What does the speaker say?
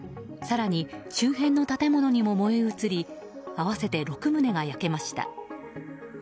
更に周辺の建物にも燃え移り合わせて６棟が焼けました。